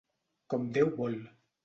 Com Déu vol.